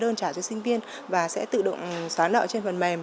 đơn trả cho sinh viên và sẽ tự động xóa nợ trên phần mềm